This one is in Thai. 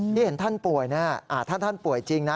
ที่เห็นท่านป่วยนะถ้าท่านป่วยจริงนะ